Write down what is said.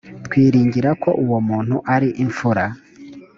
twiringiraga ko uwo muntu ari imfura.